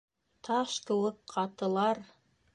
Таш кеүек ҡатылар.